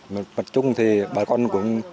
mặt chung thì bà con cũng